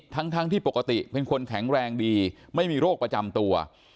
ทั้งที่ปกติเป็นคนแข็งแรงดีไม่มีโรคประจำตัว